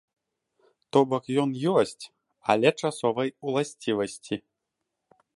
То бок ён ёсць, але часовай уласцівасці.